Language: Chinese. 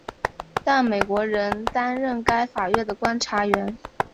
但美国仍担任该法院的观察员。